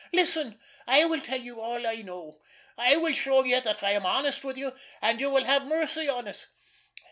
"Listen! I will tell you all I know. I will show you that I am honest with you, and you will have mercy on us.